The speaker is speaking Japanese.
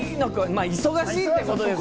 忙しいってことですよね。